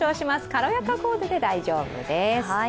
軽やかコーデで大丈夫です。